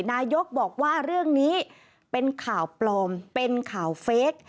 นายกบอกว่าเรื่องนี้เป็นข่าวปลอมเป็นข่าวเฟค